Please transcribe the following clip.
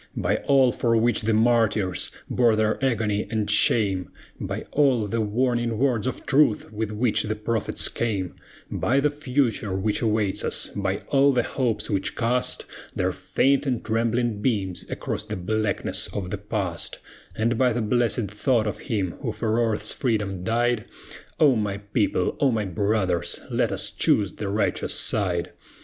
By all for which the martyrs bore their agony and shame; By all the warning words of truth with which the prophets came; By the Future which awaits us; by all the hopes which cast Their faint and trembling beams across the blackness of the Past; And by the blessed thought of Him who for Earth's freedom died, O my people! O my brothers! let us choose the righteous side.